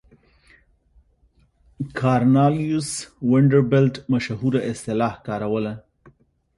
کارنلیوس وینډربیلټ مشهوره اصطلاح کاروله.